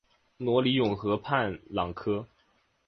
罗尼永河畔朗科。